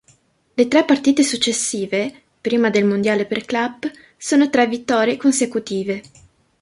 Le tre partite successive, prima del Mondiale per club, sono tre vittorie consecutive.